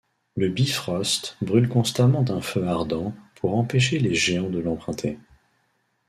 Le Bifröst brûle constamment d’un feu ardent pour empêcher les géants de l’emprunter.